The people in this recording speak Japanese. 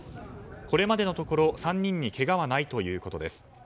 これまでのところ３人にけがはないということです。